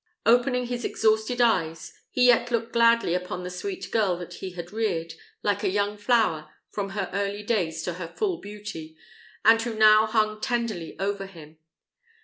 Opening his exhausted eyes, he yet looked gladly upon the sweet girl that he had reared, like a young flower, from her early days to her full beauty, and who now hung tenderly over him.